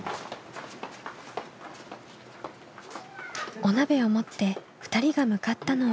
お鍋を持って２人が向かったのは。